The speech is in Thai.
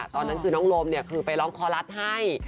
ตอนนั้นคือน้องโรมคือไปร้องคอรัสให้